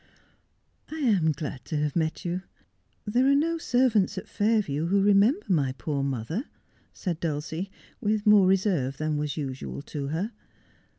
' I am glad to have met you. There are no servants at Fair view who remember my poor mother,' said Dulcie, with more reserve than was usual to her.